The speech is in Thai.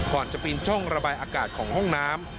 ก่อนจะปีนช่องระบายอากาศของห้องน้ำ